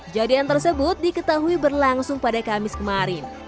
jadian tersebut diketahui berlangsung pada kamis kemarin